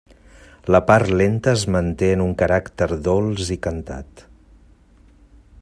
La part lenta es manté en un caràcter dolç i cantat.